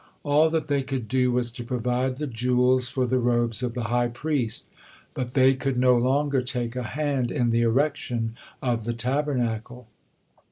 All that they could do was to provide the jewels for the robes of the high priest, but they could no longer take a hand in the erection of the Tabernacle.